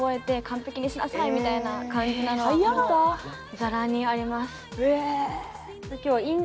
ざらにあります。